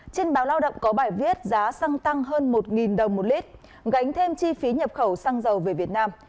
trên báo lao động có bài viết giá xăng tăng hơn một đồng một lít gánh thêm chi phí nhập khẩu xăng dầu về việt nam